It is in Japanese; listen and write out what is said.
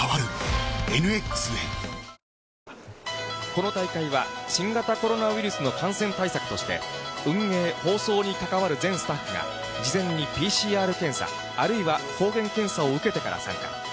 この大会は、新型コロナウイルスの感染対策として、運営・放送に関わる全スタッフが、事前にＰＣＲ検査、あるいは抗原検査を受けてから、参加。